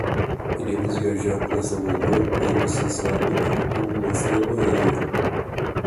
Iremos viajar para Salvador, pois você sabe como gosto da Bahia.